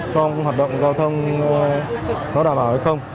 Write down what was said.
trong hoạt động giao thông có đảm bảo hay không